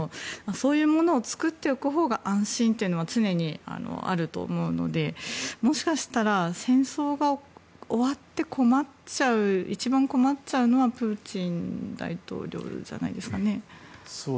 そういうものを作っておくほうが安心というのは常にあると思うのでもしかしたら戦争が終わって一番困っちゃうのはプーチン大統領じゃないですかね？